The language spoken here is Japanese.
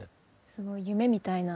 すごい夢みたいな。